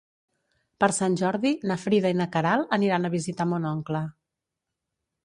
Per Sant Jordi na Frida i na Queralt aniran a visitar mon oncle.